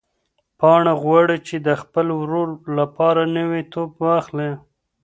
پاڼه غواړي چې د خپل ورور لپاره نوی توپ واخلي.